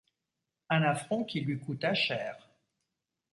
Un affront qui lui coûta cher.